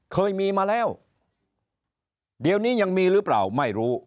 เคยมีมาแล้วเดี๋ยวนี้ยังมีหรือเปล่าไม่รู้